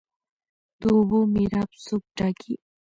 د اوبو میراب څوک ټاکي؟